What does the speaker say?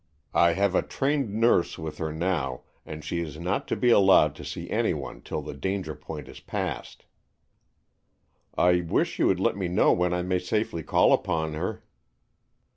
I have a trained nurse with her now, and she is not to be allowed to see anyone till the danger point is passed." "I wish you would let me know when I may safely call upon her."